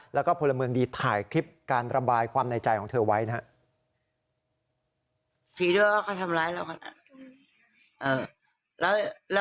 แล้วก็พลเมืองดีถ่ายคลิปการระบายความในใจของเธอไว้นะครับ